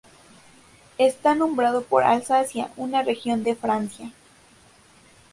Está nombrado por Alsacia, una región de Francia.